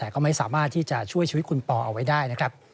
แต่ก็ไม่สามารถที่จะช่วยชีวิตคุณปอเอาไว้ได้นะครับ